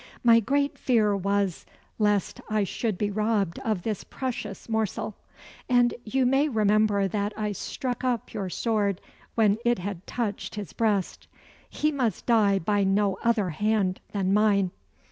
My great fear was, lest I should be robbed of this precious morsel; and you may remember that I struck up your sword when it had touched his breast. He must die by no other hand than mine."